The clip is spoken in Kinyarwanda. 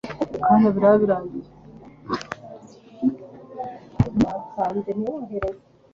mu kubika ubuzima kandi niko biri rwose